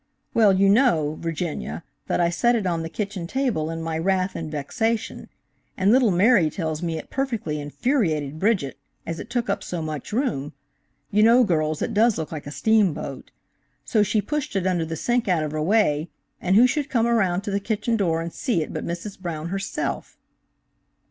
"Well, you know, Virginia, that I set it on the kitchen table in my wrath and vexation, and little Mary tells me it perfectly infuriated Bridget, as it took up so much room–you know, girls, it does look like a steamboat–so she pushed it under the sink out of her way, and who should come around to the kitchen door and see it but Mrs. Brown herself!"